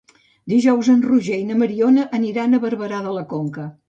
Dijous en Roger i na Mariona aniran a Barberà de la Conca.